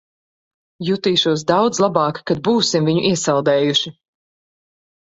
Jutīšos daudz labāk, kad būsim viņu iesaldējuši.